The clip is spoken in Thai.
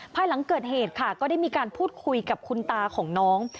ภายหลังเกิดเหตุค่ะก็ได้มีการพูดคุยกับคุณตาของน้อง